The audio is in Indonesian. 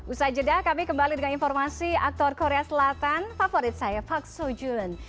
usai jeda kami kembali dengan informasi aktor korea selatan favorit saya park soo joon